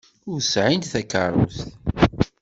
Ur sɛint takeṛṛust.